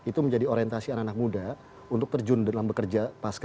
itu menjadi orientasi anak anak muda untuk terjun dalam bekerja pasca